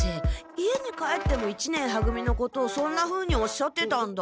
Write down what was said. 家に帰っても一年は組のことをそんなふうにおっしゃってたんだ。